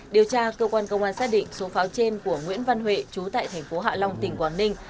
điều tra cơ quan công an xác định số pháo trên của nguyễn văn huệ chú tại thành phố hạ long tỉnh quảng ninh